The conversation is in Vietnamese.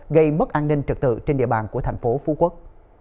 gây mất an ninh trật tự trên địa bàn của thành phố phú quốc